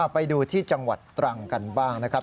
ไปดูที่จังหวัดตรังกันบ้างนะครับ